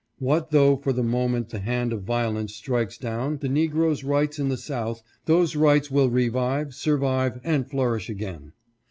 What though for the moment the hand of violence strikes down the negro's rights in the South, those rights will revive, sur vive, and flourish again.